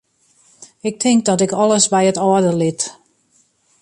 Ik tink dat ik alles by it âlde lit.